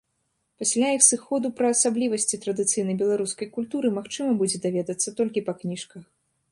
Пасля іх сыходу пра асаблівасці традыцыйнай беларускай культуры магчыма будзе даведацца толькі па кніжках.